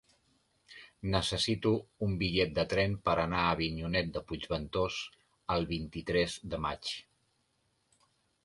Necessito un bitllet de tren per anar a Avinyonet de Puigventós el vint-i-tres de maig.